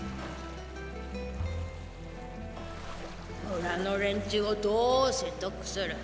村の連中をどう説得する？